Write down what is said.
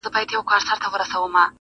سختې نيوکي وکړې هم ډيري سوې-